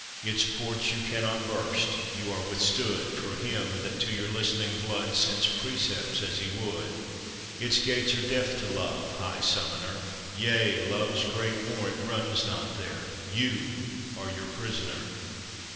Its ports you cannot burst you are withstood For him that to your listening blood Sends precepts as he would. Its gates are deaf to Love, high summoner; Yea, Love's great warrant runs not there: You are your prisoner.